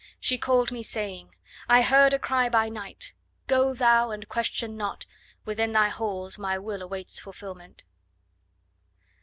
She call'd me, saying: I heard a cry by night! Go thou, and question not; within thy halls My will awaits fulfilment.